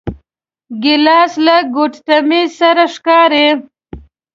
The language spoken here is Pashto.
ګیلاس له ګوتمې سره ښکاري.